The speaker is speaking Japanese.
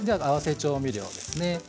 合わせ調味料ですね。